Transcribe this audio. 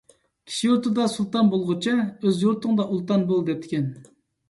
«كىشى يۇرتىدا سۇلتان بولغۇچە، ئۆز يۇرتۇڭدا ئۇلتان بول» دەپتىكەن.